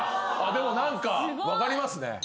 でも何か分かりますね。